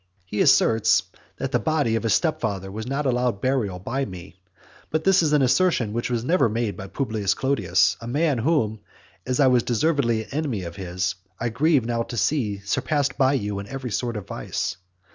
He asserts that the body of his stepfather was not allowed burial by me. But this is an assertion that was never made by Publius Clodius, a man whom, as I was deservedly an enemy of his, I grieve now to see surpassed by you in every sort of vice.